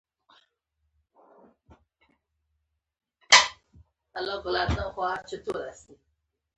د احمدشاه بابا د ادارې څرنګوالي او اصلاحاتو سره یې پيژندګلوي کېږي.